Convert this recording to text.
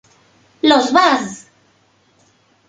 Los Buzz!